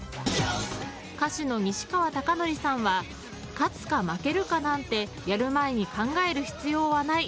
歌手の西川貴教さんは勝つか、負けるかなんてやる前に考える必要はない。